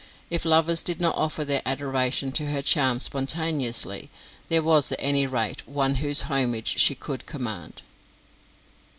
If lovers did not offer their adoration to her charms spontaneously, there was at any rate one whose homage she could command.